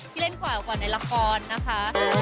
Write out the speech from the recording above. เล่นกว่าในละครนะคะ